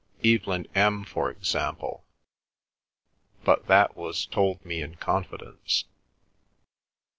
"Evelyn M., for example—but that was told me in confidence."